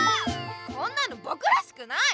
こんなのぼくらしくない！